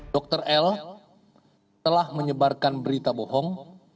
dr l telah menyebarkan berita bohong